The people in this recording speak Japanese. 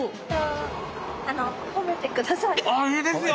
ああいいですよ！